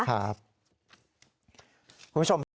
คุณผู้ชม